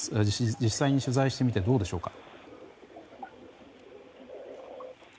実際に取材してみてどうでしょうか。